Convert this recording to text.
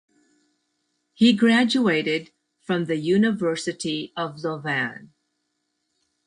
He graduated from the University of Louvain.